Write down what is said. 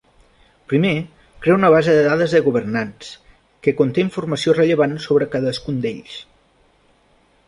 Primer, crea una base de dades de governants, que conté informació rellevant sobre cadascun d'ells.